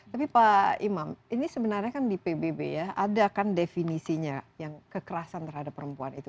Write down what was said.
tapi pak imam ini sebenarnya kan di pbb ya ada kan definisinya yang kekerasan terhadap perempuan itu